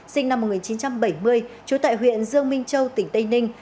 sinh năm một nghìn chín trăm bảy mươi trú tại huyện dương minh châu tỉnh tây ninh